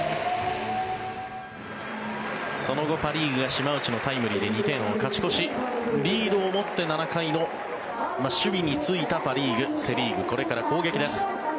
その後、パ・リーグが島内のタイムリーで２点を勝ち越しリードを持って７回の守備に就いたパ・リーグセ・リーグ、これから攻撃です。